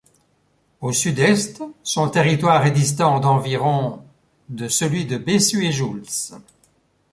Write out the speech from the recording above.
Au sud-est, son territoire est distant d'environ de celui de Bessuéjouls.